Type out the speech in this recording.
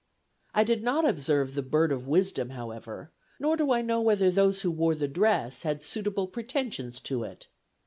I did not observe the bird of wisdom, however, nor do I know whether those who wore the dress had suitable pretensions to it.